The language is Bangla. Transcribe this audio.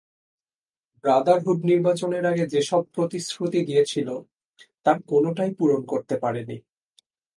ব্রাদারহুড নির্বাচনের আগে যেসব প্রতিশ্রুতি দিয়েছিল, তার কোনোটাই পূরণ করতে পারেনি।